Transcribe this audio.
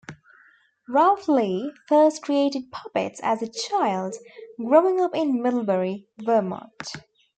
Ralph Lee first created puppets as a child growing up in Middlebury, Vermont.